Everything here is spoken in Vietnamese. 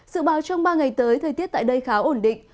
dự báo trong ba ngày tới thời tiết tại đây khá ổn định